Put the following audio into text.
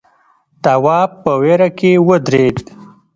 تواب په وېره کې ودرېد.